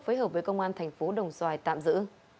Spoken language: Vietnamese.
phối hợp với công an thành phố đồng xoài tạm giữ